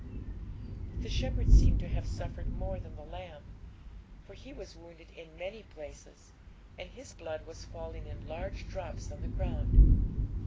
But the shepherd seemed to have suffered more than the lamb, for he was wounded in many places, and his blood was falling in large drops on the ground.